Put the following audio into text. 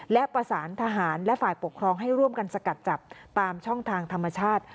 และประสานทหารและฝ่ายปกครองให้ร่วมกันสกัดจับตามช่องทางธรรมชาติ